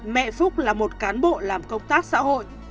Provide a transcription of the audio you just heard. mẹ phúc là một cán bộ làm công tác xã hội